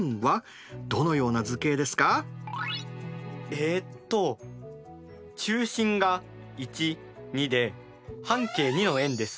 えっと中心がで半径２の円です。